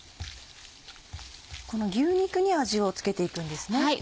この牛肉に味を付けていくんですね。